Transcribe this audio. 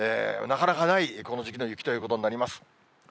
なかなかない、この時期の雪ということになります。